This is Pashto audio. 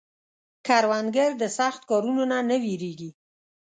کروندګر د سخت کارونو نه نه وېرېږي